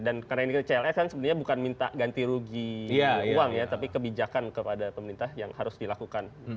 dan karena ini cls kan sebenarnya bukan minta ganti rugi uang ya tapi kebijakan kepada pemerintah yang harus dilakukan